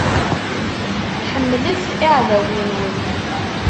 Ḥemmlet iɛdawen-nwen.